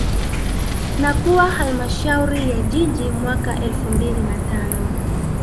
Na kuwa Halmashauri ya Jiji mwaka elfu mbili na tano